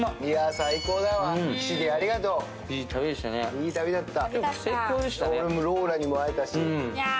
いい旅だった。